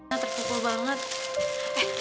nah terpukul banget